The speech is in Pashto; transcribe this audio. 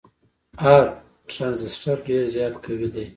هر ټرانزیسټر ډیر زیات قوي دی.